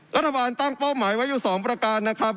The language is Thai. รัฐบาลตั้งเป้าหมายไว้อยู่๒ประการนะครับ